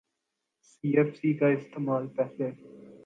سی F C کا استعمال پہلے